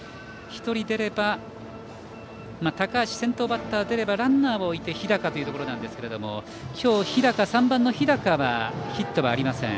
１人出れば先頭バッターの高橋が出ればランナーを置いて日高というところなんですが今日、３番の日高はヒットはありません。